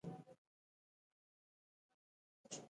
د نویو مهارتونو زده کول د نوې نړۍ اغېزې دي.